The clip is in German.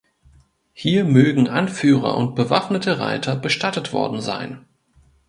Hier mögen Anführer und bewaffnete Reiter bestattet worden sein.